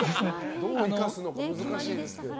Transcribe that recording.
どう生かすのか難しいですが。